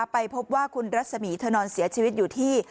ไปพบว่าคุณรัศมีร์เธอนอนเสียชีวิตอยู่ที่